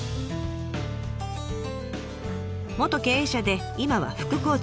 元経営者で今は副校長。